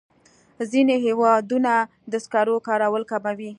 ځینې هېوادونه د سکرو کارول کموي.